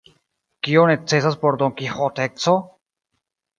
Kio necesas por donkiĥoteco?